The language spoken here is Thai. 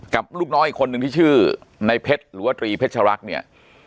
กับลูกน้อยคนหนึ่งที่ชื่อนายเพชรหรือว่าตรีเพชรรักเนี้ย